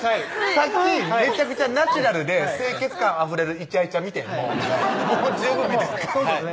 さっきめちゃくちゃナチュラルで清潔感あふれるイチャイチャ見てんもうもう十分見てんそうですね